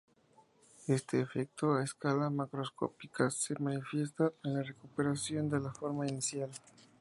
Este efecto, a escala macroscópica se manifiesta en la recuperación de la forma inicial.